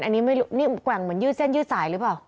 อันนี้กว่าอย่างเหมือนยืดเส้นยืดสายหรือเปล่า